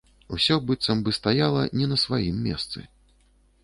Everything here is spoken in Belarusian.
Усё быццам бы стаяла не на сваім месцы.